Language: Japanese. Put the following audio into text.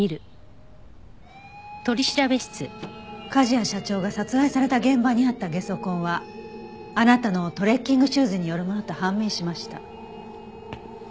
梶谷社長が殺害された現場にあったゲソ痕はあなたのトレッキングシューズによるものと判明しました。